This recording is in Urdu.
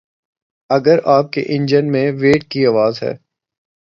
اگر آپ کے انجن میں ویٹ کی آواز ہے